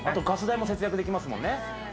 ガス代も節約できますもんね。